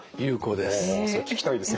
それは聞きたいです。